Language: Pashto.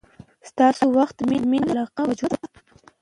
ستاسو وخت، مینه، علاقه او توجه ده.